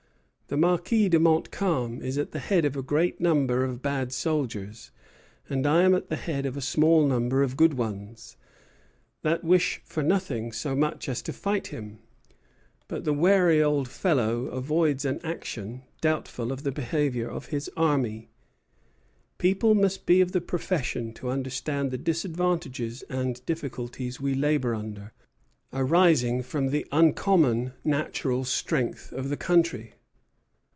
The Marquis de Montcalm is at the head of a great number of bad soldiers, and I am at the head of a small number of good ones, that wish for nothing so much as to fight him; but the wary old fellow avoids an action, doubtful of the behavior of his army. People must be of the profession to understand the disadvantages and difficulties we labor under, arising from the uncommon natural strength of the country."